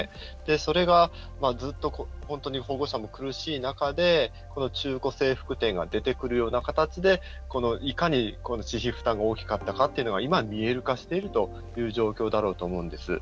それがずっと本当に保護者も苦しい中でこの中古制服店が出てくるような形でいかに私費負担が大きかったっていうのが今、見える化しているという状況だろうと思うんです。